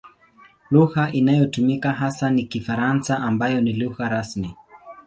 Lugha inayotumika hasa ni Kifaransa ambayo ni lugha rasmi.